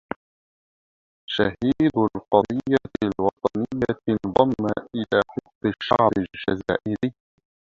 شهيد القضية الوطنية انضم إلى حزب الشعب الجزائري